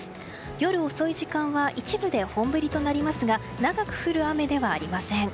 夜遅い時間は一部で本降りとなりますが長く降る雨ではありません。